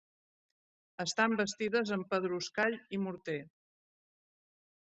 Estan bastides amb pedruscall i morter.